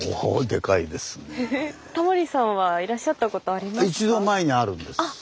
タモリさんはいらっしゃったことありますか？